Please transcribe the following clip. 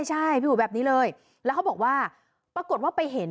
ใช่พี่อุ๋ยแบบนี้เลยแล้วเขาบอกว่าปรากฏว่าไปเห็น